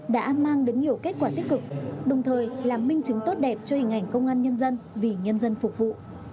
đã mang đến nhiều kết quả tích cực đồng thời làm minh chứng tốt đẹp cho hình ảnh công an nhân dân vì nhân dân phục vụ